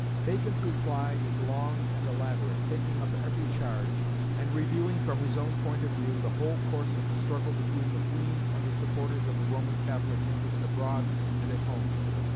Bacon's reply is long and elaborate, taking up every charge, and reviewing from his own point of view the whole course of the struggle between the Queen and the supporters of the Roman Catholic interest abroad and at home.